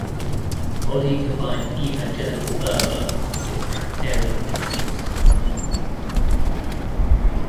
Body combined evangelical fervour with tractarian principles.